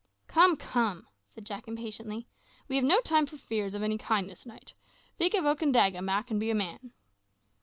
"Come, come," said Jack impatiently; "we have no time for fears of any kind this night. Think of Okandaga, Mak, and be a man."